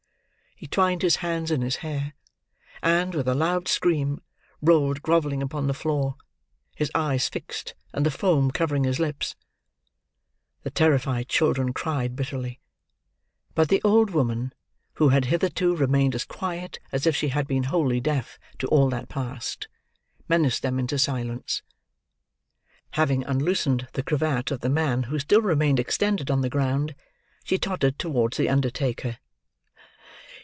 He twined his hands in his hair; and, with a loud scream, rolled grovelling upon the floor: his eyes fixed, and the foam covering his lips. The terrified children cried bitterly; but the old woman, who had hitherto remained as quiet as if she had been wholly deaf to all that passed, menaced them into silence. Having unloosened the cravat of the man who still remained extended on the ground, she tottered towards the undertaker.